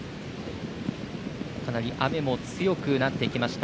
かなり雨も強くなってきました。